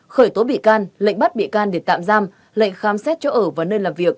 khởi tố bị can lệnh bắt bị can để tạm giam lệnh khám xét chỗ ở và nơi làm việc